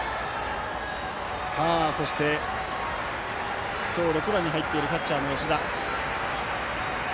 そして今日６番に入っているキャッチャーの吉田。